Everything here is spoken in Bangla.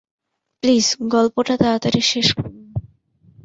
প্লীজ, গল্পটা তাড়াতাড়ি শেষ করুন।